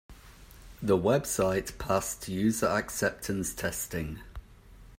The website passed user acceptance testing.